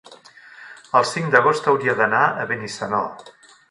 El cinc d'agost hauria d'anar a Benissanó.